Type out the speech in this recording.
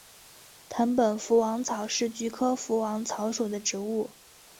藤本福王草是菊科福王草属的植物。